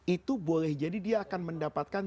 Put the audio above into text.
itu boleh jadi dia akan mendapatkan